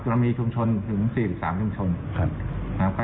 ก็จะมีชุมชนถึง๔๓ชุมชนนะครับ